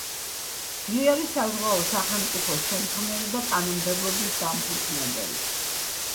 ძლიერი საზღვაო სახელმწიფოს შემქმნელი და კანონმდებლობის დამფუძნებელი.